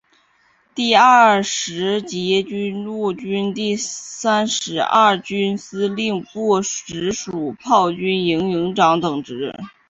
任第二十集团军陆军第三十二军司令部直属炮兵营营长等职。